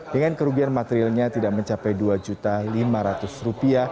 dengan kerugian materialnya tidak mencapai rp dua lima ratus